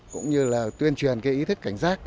cũng như là tuyên truyền cái ý thức cảnh giác